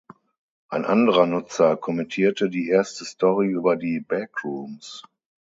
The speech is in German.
Ein anderer Nutzer kommentierte die erste Story über die Backrooms.